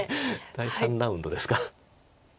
第３ラウンドですか。